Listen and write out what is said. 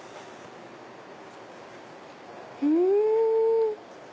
うん！